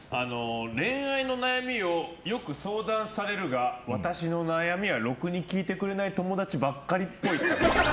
恋愛の悩みをよく相談されるが私の悩みはろくに聞いてくれない友達ばっかりっぽい。